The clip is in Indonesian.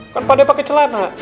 kan pak d pakai celana